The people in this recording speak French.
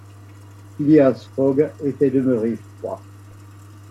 Phileas Fogg était demeuré froid.